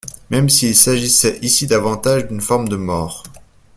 Même s’il s’agissait ici davantage d’une forme de mort.